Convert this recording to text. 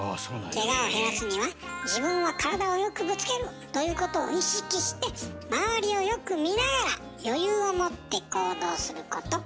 けがを減らすには「自分は体をよくぶつける」ということを意識して周りをよく見ながら余裕を持って行動すること。